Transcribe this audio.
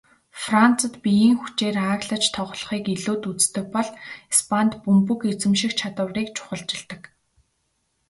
Францад биеийн хүчээр ааглаж тоглохыг илүүд үздэг бол Испанид бөмбөг эзэмших чадварыг чухалчилдаг.